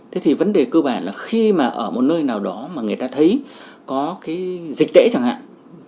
thế thì vấn đề cơ bản là khi mà ở một nơi nào đó mà người ta thấy có cái dịch tễ chẳng hạn